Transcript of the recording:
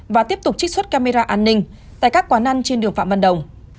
và tiếp tục trích xuất camera an ninh tại các quán ăn trên đường phạm văn đồng